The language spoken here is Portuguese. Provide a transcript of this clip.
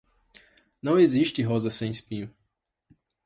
Não existe rosa sem espinho.